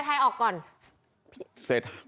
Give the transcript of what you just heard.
พี่อุ๊ยเอาภูมิใจไทยออกก่อน